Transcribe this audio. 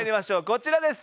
こちらです！